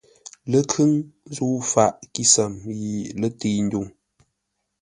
Ləkhʉŋ zə̂u faʼ kísəm yi lətəi-ndwuŋ.